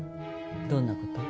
どんな事？